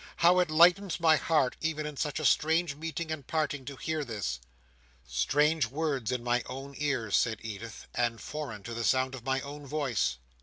"How it lightens my heart, even in such a strange meeting and parting, to hear this!" "Strange words in my own ears," said Edith, "and foreign to the sound of my own voice!